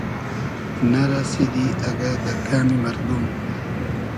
نۂ رئسیدی اگۂ دۂ گئمی مئردوم